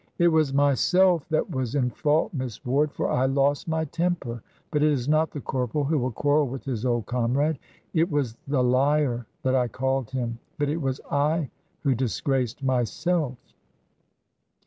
"It was myself that was in fault, Miss Ward, for I lost my temper. But it is not the corporal who will quarrel with his old comrade. It was the liar that I called him, but it was I who disgraced myself."